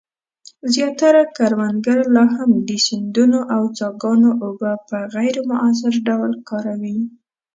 زیاتره کروندګر لا هم د سیندونو او څاګانو اوبه په غیر مؤثر ډول کاروي.